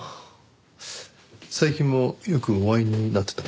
最近もよくお会いになってたんですか？